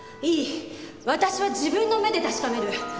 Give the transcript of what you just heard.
私は自分の目で確かめる。